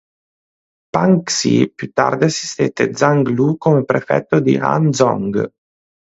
Pang Xi più tardi assistette Zhang Lu come prefetto di Han Zhong.